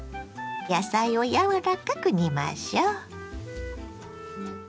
野菜をやわらかく煮ましょ。